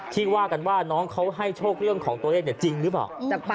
ว่ากันว่าน้องเขาให้โชคเรื่องของตัวเลขจริงหรือเปล่า